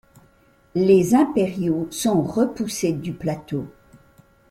Les Impériaux sont repoussés du plateau.